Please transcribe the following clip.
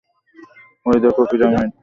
ওই দেখো পিরামিড।